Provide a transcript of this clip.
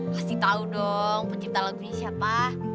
pasti tahu dong pencipta lagunya siapa